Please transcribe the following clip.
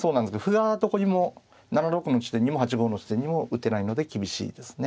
歩がどこにも７六の地点にも８五の地点にも打てないので厳しいですね。